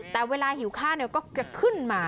แต่เวลาหิวข้าวก็จะขึ้นมา